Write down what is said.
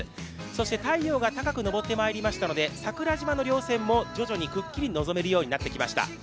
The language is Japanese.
そして太陽が高く昇ってまいりましたので、桜島のりょう線も徐々にくっきり望めるようになってきました。